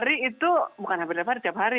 itu seseorang yang bisa mengajar ya